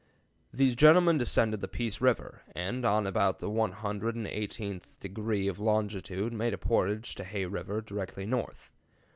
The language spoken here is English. These gentlemen descended the Peace River, and on about the one hundred and eighteenth degree of longitude made a portage to Hay River, directly north.